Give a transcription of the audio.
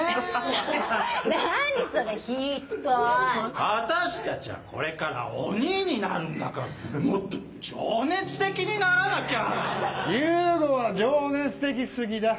何それひっどい私たちはこれから鬼になるんだからもっと情熱的にならなきゃ！